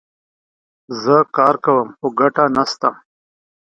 زه کار کوم ، خو ګټه نه سته